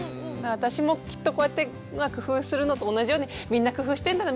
私もきっとこうやって工夫するのと同じようにみんな工夫してんだな